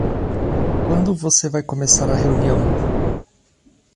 Quando você vai começar a reunião?